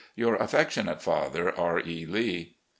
" Your affectionate father, "R. E. Lee."